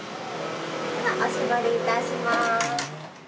ではお絞り致します。